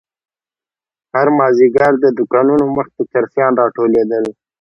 هر مازيگر د دوکانو مخې ته چرسيان راټولېدل.